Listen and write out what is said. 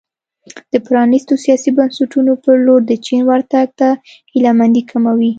د پرانیستو سیاسي بنسټونو په لور د چین ورتګ ته هیله مندي کموي.